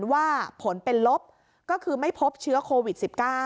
ว่าผลเป็นลบก็คือไม่พบเชื้อโควิด๑๙